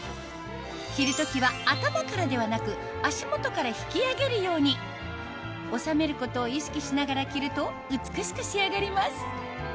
着る時は頭からではなく足元から引き上げるように収めることを意識しながら着ると美しく仕上がります